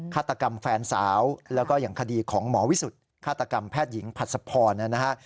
ฆาตกรรมแฟนสาวแล้วก็อย่างคดีของหมอวิสุทธิ์ฆาตกรรมแพทย์หญิงผัดสะพรนะฮะ